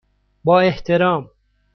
با احترام،